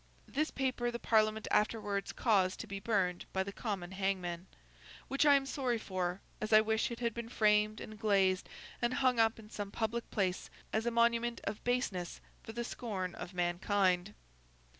This paper the Parliament afterwards caused to be burned by the common hangman; which I am sorry for, as I wish it had been framed and glazed and hung up in some public place, as a monument of baseness for the scorn of mankind.